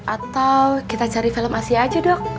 atau kita cari film asia aja dok